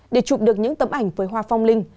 để chụp được những tấm ảnh với hoa phong linh